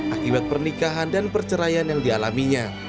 akibat pernikahan dan perceraian yang dialaminya